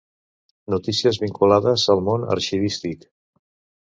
Notícies vinculades al món arxivístic.